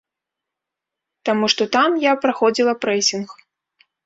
Таму што там я праходзіла прэсінг.